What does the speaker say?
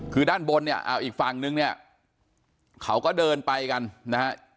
คือด้านบนเนี่ยเอาอีกฝั่งนึงเนี่ยเขาก็เดินไปกันนะฮะ